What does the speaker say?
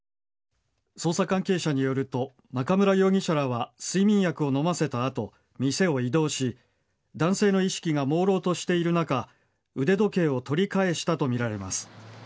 捜査関係者によると中村容疑者らは睡眠薬を飲ませた後、店を移動し男性の意識がもうろうとしている中腕時計を取り返したとみられます。